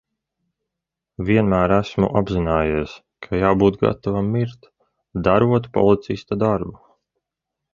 Vienmēr esmu apzinājies, ka jābūt gatavam mirt, darot policista darbu.